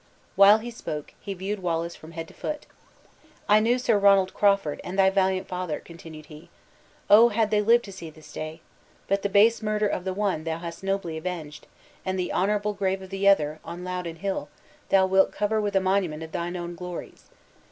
While he spoke, he viewed Wallace from head to foot. "I knew Sir Ronald Crawford, and thy valiant father," continued he, "O! had they lived to see this day! But the base murder of the one thou hast nobly avenged, and the honorable grave of the other, on Loudon Hill, thou wilt cover with a monument of thine own glories.